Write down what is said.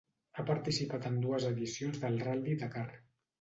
Ha participat en dues edicions del Ral·li Dakar.